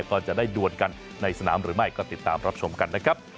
ก็จะได้ด่วนกันในสนามหรือไม่ก็ติดตามรับชมกันนะครับ